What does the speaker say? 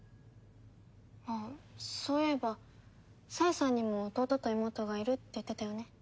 あっそういえば冴さんにも弟と妹がいるって言ってたよね。